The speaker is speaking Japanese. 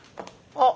あっ。